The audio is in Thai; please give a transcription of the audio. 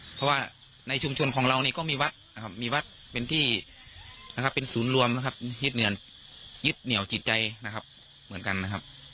เพราะว่าในชุมชนของเรานี่ก็มีวัดนะครับมีวัดเป็นที่นะครับเป็นศูนย์รวมนะครับยึดเหนียวยึดเหนียวจิตใจนะครับเหมือนกันนะครับ